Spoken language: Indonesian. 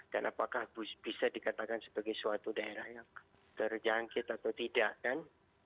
dan apakah bisa dikatakan sebagai suatu daerah yang terjangkit atau tidak kan